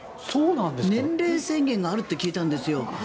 年齢制限があるって聞いたんですよ。